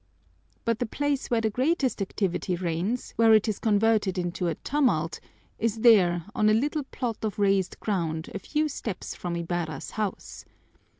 But the place where the greatest activity reigns, where it is converted into a tumult, is there on a little plot of raised ground, a few steps from Ibarra's house.